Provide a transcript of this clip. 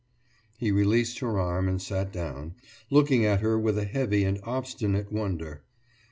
« He released her arm and sat down, looking at her with a heavy and obstinate wonder.